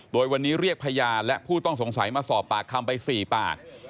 โดยวันนี้เรียกพยานและผู้ต้องสงสัยมาสอบปากคำไป๔ปาก